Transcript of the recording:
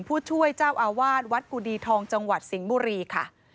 ผู้ช่วยเจ้าอาวาสวัดกุดีทองจังหวัดสิงห์บุรีค่ะ